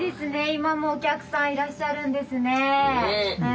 今もお客さんいらっしゃるんですね。